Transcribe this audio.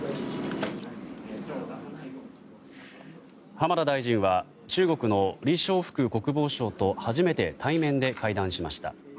浜田大臣は中国のリ・ショウフク国防相と初めて対面で会談しました。